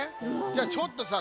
じゃあちょっとさ